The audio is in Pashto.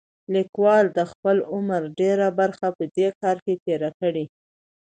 لیکوال د خپل عمر ډېره برخه په دې کار کې تېره کړې.